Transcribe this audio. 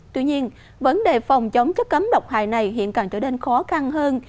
tuy nhiên vấn đề phòng chống chất cấm độc hại này hiện càng trở nên khó khăn hơn